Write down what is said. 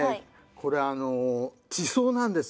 これ地層なんです。